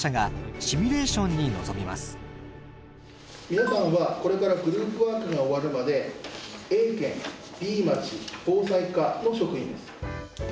皆さんはこれからグループワークが終わるまでＡ県Ｂ町防災課の職員です。